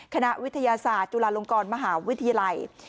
คณะวิทยาศาสตร์จุฬาลงกรมหาวิทยาลัย